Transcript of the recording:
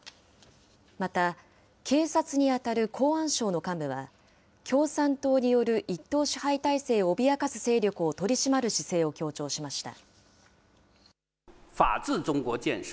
また警察に当たる公安省の幹部は、共産党による一党支配体制を脅かす勢力を取り締まる姿勢を強調しました。